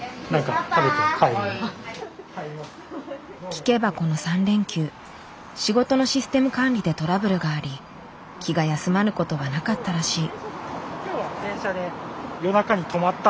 聞けばこの３連休仕事のシステム管理でトラブルがあり気が休まることはなかったらしい。